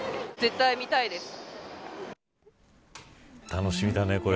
楽しみだねこれ。